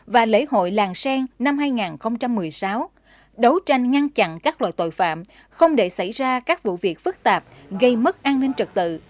và lễ hội làng sen năm hai nghìn một mươi sáu đấu tranh ngăn chặn các loại tội phạm không để xảy ra các vụ việc phức tạp gây mất an ninh trật tự